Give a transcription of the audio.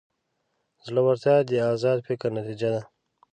زړورتیا د ازاد فکر نتیجه ده.